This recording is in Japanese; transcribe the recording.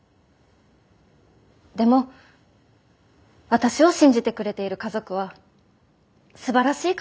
でも私を信じてくれている家族はすばらしい家族です。